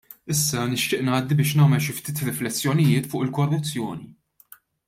Issa nixtieq ngħaddi biex nagħmel xi ftit riflessjonijiet fuq il-korruzzjoni.